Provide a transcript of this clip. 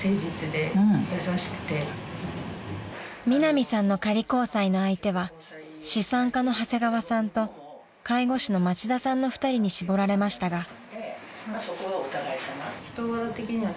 ［ミナミさんの仮交際の相手は資産家の長谷川さんと介護士の町田さんの２人に絞られましたが］